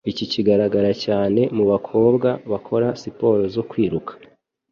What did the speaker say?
Ibi bigaragara cyane mu bakobwa bakora siporo zo kwiruka.